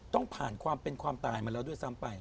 ต้องผ่านความเป็นความตายมาแล้วด้วยซ้ำไป